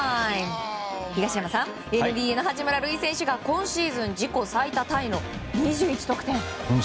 東山さん、ＮＢＡの八村塁選手が今シーズン自己最多タイの２１得点。